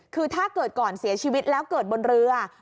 คือถ้าเกิดก่อนเสียชีวิตแล้วเกิดบนเรือ